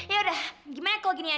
yaudah gimana kalau gini aja